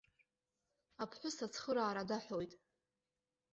Аԥҳәыс ацхыраара даҳәоит.